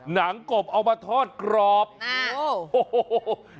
หนังกบเอามาทอดกรอบนะ